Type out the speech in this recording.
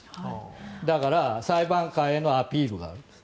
だから裁判官へのアピールなんです。